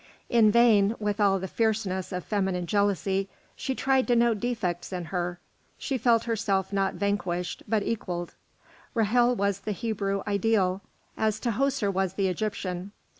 In vain, with all the fierceness of feminine jealousy, she tried to note defects in her; she felt herself not vanquished, but equalled; Ra'hel was the Hebrew ideal, as Tahoser was the Egyptian.